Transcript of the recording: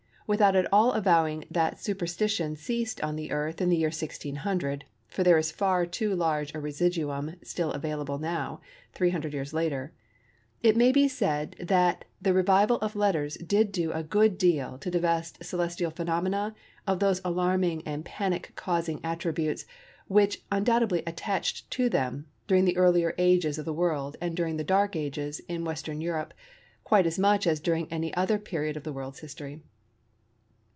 Without at all avowing that superstition ceased on the Earth in the year 1600 (for there is far too large a residuum still available now, 300 years later), it may yet be said that the Revival of Letters did do a good deal to divest celestial phenomena of those alarming and panic causing attributes which undoubtedly attached to them during the earlier ages of the world and during the "Dark Ages" in Western Europe quite as much as during any other period of the world's history.